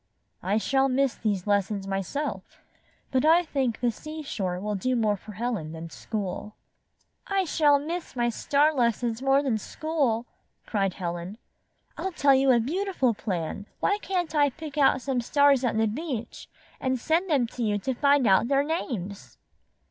''I shall miss these lessons myself, but I think the seashore will do more for Helen than school." ''I shall miss my star lessons more than school," cried Helen. "I'll tell you a beauti ful plan. Why can't I pick out some stars at the beach and send them to you to find out their names?"